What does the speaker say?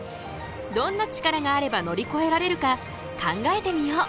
どんなチカラがあれば乗りこえられるか考えてみよう。